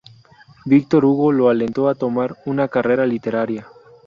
Victor Hugo lo alentó a tomar una carrera literaria.